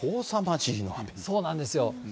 そうなんですよ。